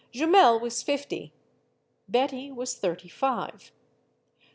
Jumel was fifty; Betty was thirty five.